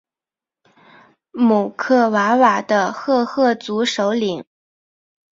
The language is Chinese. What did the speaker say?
姆克瓦瓦的赫赫族首领。